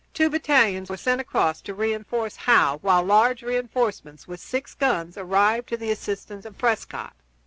] Two battalions were sent across to re enforce Howe, while large re enforcements, with six guns, arrived to the assistance of Prescott.